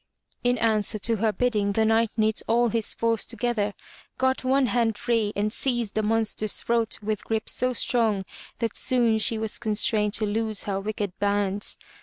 In answer to her bidding, the Knight knit all his force together, 15 MY BOOK HOUSE got one hand free and seized the monster's throat with grip so strong that soon she was constrained to loose her wicked bands.